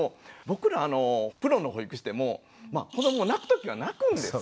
僕らプロの保育士でも子ども泣く時は泣くんです。